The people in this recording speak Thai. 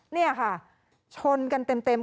นี่ค่ะชนกันเต็ม